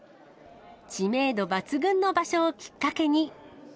知名度抜群の場所をきっかけに。